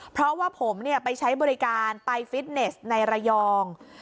เพราะว่าผมไปใช้บริการไปฟิตเนสในระยอง